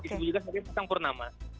itu juga pasang purnama